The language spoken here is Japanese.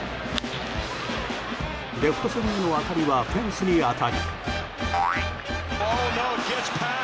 レフト線への当たりはフェンスに当たり。